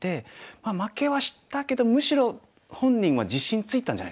まあ負けはしたけどむしろ本人は自信ついたんじゃないですかね。